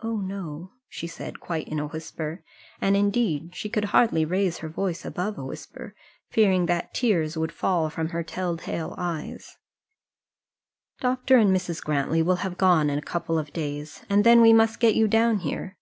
"Oh, no," she said, quite in a whisper; and, indeed, she could hardly raise her voice above a whisper, fearing that tears would fall from her tell tale eyes. "Dr. and Mrs. Grantly will have gone in a couple of days, and then we must get you down here.